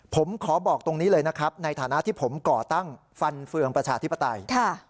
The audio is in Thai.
ผมขอบอกตรงนี้เลยนะครับในฐานะที่ผมก่อตั้งฟันเฟืองประชาธิปไตย